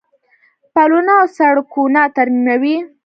پلونه او سړکونه ترمیموي.